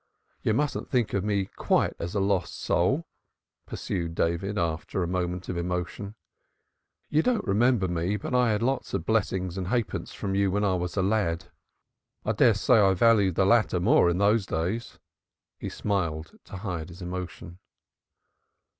"You mustn't think me quite a lost soul," pursued David after a moment of emotion. "You don't remember me, but I had lots of blessings and halfpence from you when I was a lad. I dare say I valued the latter more in those days." He smiled to hide his emotion.